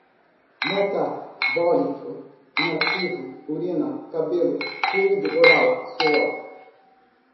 metabolito, inativo, urina, cabelo, fluído oral, suor